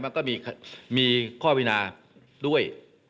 มันก็มีข้อพินาด้วย